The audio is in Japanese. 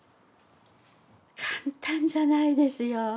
簡単じゃないですよ。